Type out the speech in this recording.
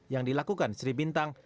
yang dilakukan sri bintang